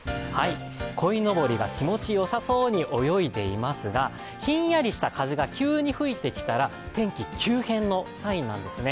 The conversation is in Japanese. こいのぼりが気持ちよさそうに泳いでいますがひんやりした風が急に吹いてきたら天気急変のサインなんですね。